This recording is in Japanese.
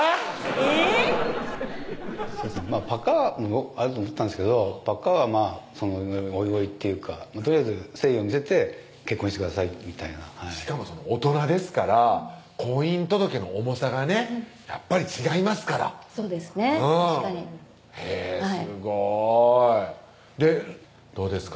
えぇっパカッもあると思ったんですけどパカッはまぁおいおいっていうかとりあえず誠意を見せて「結婚してください」みたいなしかも大人ですから婚姻届の重さがねやっぱり違いますからそうですねへぇすごいどうですか？